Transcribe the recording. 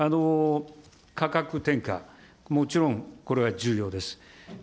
価格転嫁、もちろんこれは重要です。